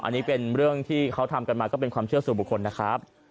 อันนี้เป็นเรื่องที่เขาทำกันมาก็เป็นความเชื่อสู่บุคคลนะครับ